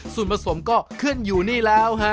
ส่วนผสมก็ขึ้นอยู่นี่แล้วฮะ